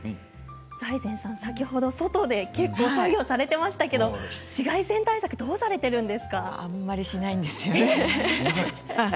財前さん、先ほど外で結構作業されていましたけれども紫外線対策はあまりしないんですよね。